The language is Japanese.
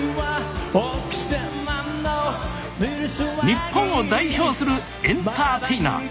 日本を代表するエンターテイナー。